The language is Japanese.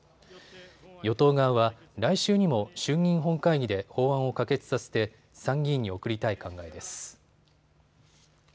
与党側は来週にも衆議院本会議で法案を可決させて参議院に送りたい考えです。